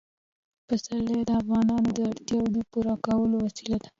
پسرلی د افغانانو د اړتیاوو د پوره کولو وسیله ده.